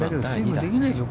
できないでしょう。